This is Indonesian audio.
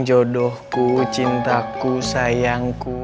jodohku cintaku sayangku